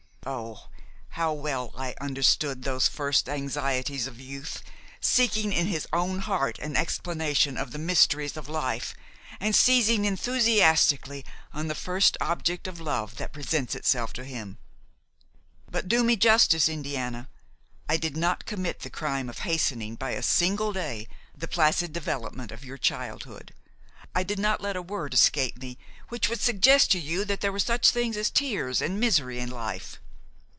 Oh! how well I understood those first anxieties of youth, seeking in his own heart an explanation of the mysteries of life, and seizing enthusiastically on the first object of love that presents itself to him! But do me justice, Indiana–I did not commit the crime of hastening by a single day the placid development of your childhood; I did not let a word escape me which could suggest to you that there were such things as tears and misery in life.